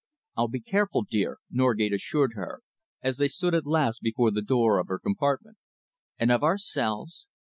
"I'll be careful, dear," Norgate assured her, as they stood at last before the door of her compartment. "And of ourselves?"